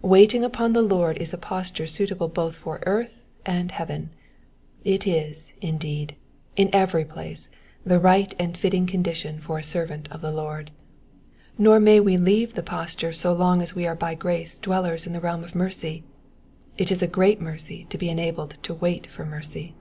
Waiting upon the Lord is a posture suitable both for earth and heaven : it is, indeed, in every place the right and fitting condition for a servant of the Lord. Nor may we leave the posture so long as we are by grace dwellers in the realm of mercy. It is a great mercy to be enabled to wait for mercy.